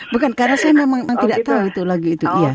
bukan karena saya memang tidak tahu itu lagi itu